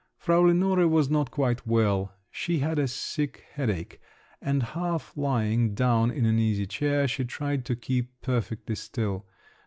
Frau Lenore was not quite well; she had a sick headache, and, half lying down in an easy chair, she tried to keep perfectly still.